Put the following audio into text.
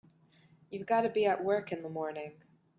You've got to be at work in the morning.